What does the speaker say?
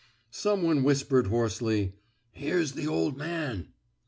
Some one whispered hoarsely: " Here's th' ol' man!